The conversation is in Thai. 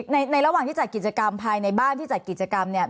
ในระหว่างที่จัดกิจกรรมภายในบ้านที่จัดกิจกรรมเนี่ย